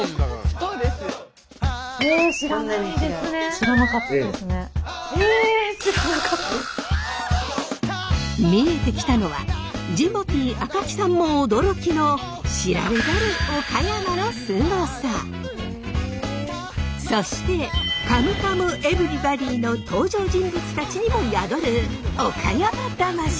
そうですよ。え見えてきたのはジモティー赤木さんも驚きのそして「カムカムエヴリバディ」の登場人物たちにも宿る岡山魂！